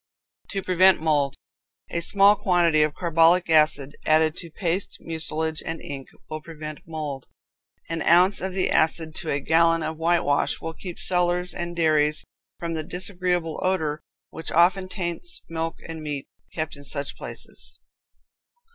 To Prevent Mold. A small quantity of carbolic acid added to paste, mucilage and ink, will prevent mold. An ounce of the acid to a gallon of whitewash will keep cellars and dairies from the disagreeable odor which often taints milk and meat kept in such places.